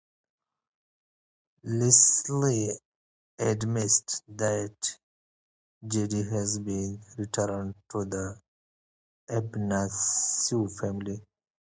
Leslie admits that Jade has been returned to the Ibanescu family.